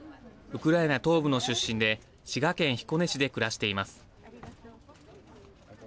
ウクライナ東部の出身で滋賀県彦根市で暮らしています。